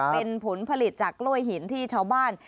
เป็นผลผลิตจากกล้วยหินที่ชาวบ้าน